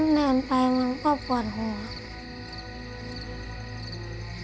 นานไปงั้นก็ปวดห่วง